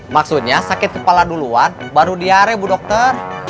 maksudnya sakit kepala duluan baru diare bu dokter